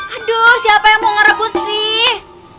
aduh siapa yang mau ngerebut sih